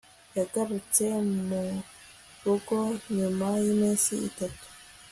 yagarutse murugo nyuma yiminsi itatu